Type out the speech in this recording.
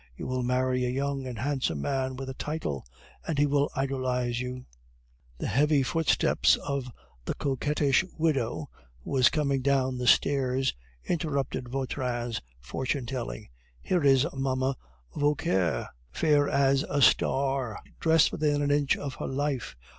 You will marry a young and handsome man with a title, and he will idolize you." The heavy footsteps of the coquettish widow, who was coming down the stairs, interrupted Vautrin's fortune telling. "Here is Mamma Vauquerre, fair as a starr r r, dressed within an inch of her life.